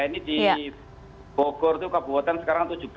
ini di bogor itu kabupaten sekarang tujuh belas